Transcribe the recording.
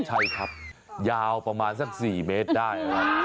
ใช่ครับยาวประมาณสัก๔เมตรได้ครับ